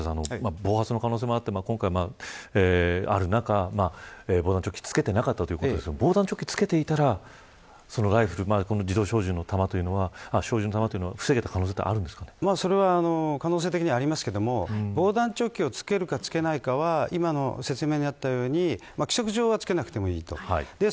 暴発の可能性もある中防弾チョッキを着けていなかったということですが防弾チョッキを着けていたら自動小銃の弾というのは可能性的にはありますが防弾チョッキを着けるか着けないかは今の説明にあったように規則上は着けなくてもいいと。